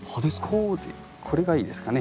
こうこれがいいですかね。